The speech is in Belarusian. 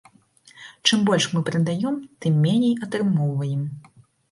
Чым больш мы прадаём, тым меней атрымоўваем.